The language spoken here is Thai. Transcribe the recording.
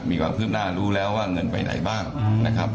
มีความคืบหน้ารู้แล้วว่าเงินไปไหนบ้างนะครับ